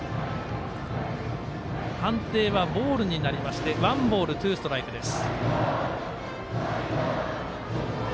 判定はボールになりましてワンボール、ツーストライクです。